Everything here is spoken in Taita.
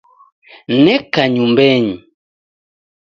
Neka nyumbenyi